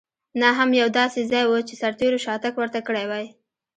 نه هم یو داسې ځای و چې سرتېرو شاتګ ورته کړی وای.